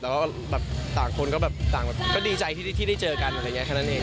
แต่ต่างคนก็ดีใจที่ได้เจอกันอะไรอย่างนี้แค่นั้นเอง